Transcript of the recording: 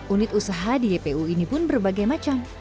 unit usaha di ypu ini pun berbagai macam